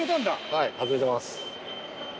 はい外れてます。